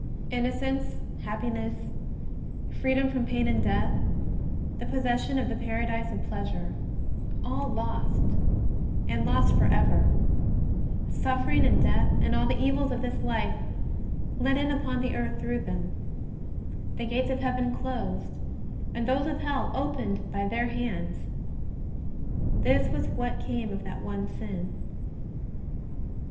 Innocence, happiness, freedom from pain and death, the possession of the paradise of pleasure — all lost and lost forever: suffering and death, and all the evils of this life let in upon the earth through them; the gates of Heaven closed, and those of Hell opened by their hands — this was what came of that one sin.